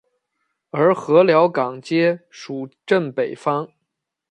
而禾寮港街属镇北坊。